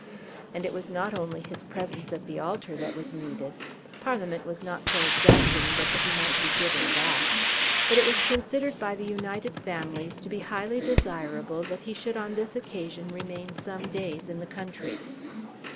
And it was not only his presence at the altar that was needed; Parliament was not so exacting but that he might have given that; but it was considered by the united families to be highly desirable that he should on this occasion remain some days in the country.